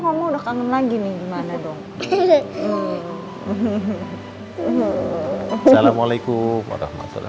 kamu udah kangen lagi nih gimana dong hehehe hehehe hehehe assalamualaikum warahmatullah